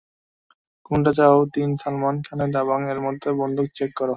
কোনটা চাও -তিন -সালমান খানের দাবাং এর মতো -বন্দুক চেক করো।